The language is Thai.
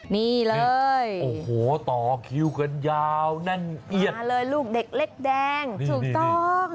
นี่เลยโอ้โหต่อคิวกันยาวแน่นเอียดมาเลยลูกเด็กเล็กแดงถูกต้อง